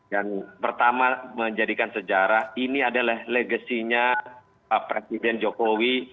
yang pertama menjadikan sejarah ini adalah legasinya presiden jokowi